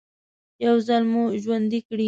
يو ځل مو ژوندي کړي.